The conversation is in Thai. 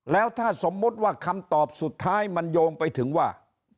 แล้วถ้าสมมุติว่าคำตอบสุดท้ายมันโยงไปถึงว่า